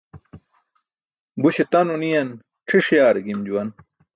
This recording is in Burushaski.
Buśe tano niyan ćʰiṣ yaare gim juwan.